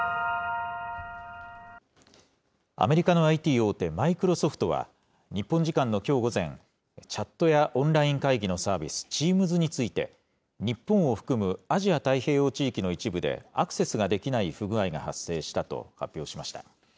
アメリカのＩＴ大手、マイクロソフトは、日本時間のきょう午前、チャットやオンライン会議のサービス、Ｔｅａｍｓについて、日本を含むアジア太平洋地域の一部で、アクセスができない不具合が発生したと発表しました。